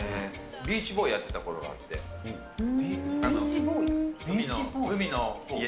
ビーチボーイやってたころがビーチボーイ？